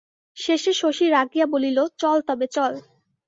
শেষে শশী রাগিয়া বলিল, চল তবে চল।